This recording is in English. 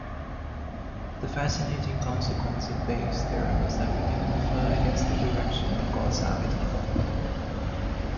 The fascinating consequence of Bayes' theorem is that we can infer against the direction of causality.